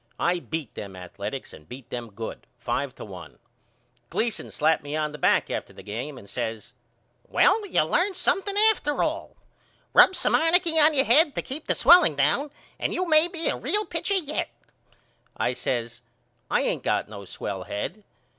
I beat them Athaletics and beat them good, five to one. Gleason slapped me on the back after the game and says Well you learned something after all. Rub some arnicky on your head to keep the swelling down and you may be a real pitcher yet. I says I ain't got no swell head.